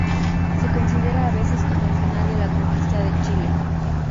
Se considera a veces como el final de la Conquista de Chile.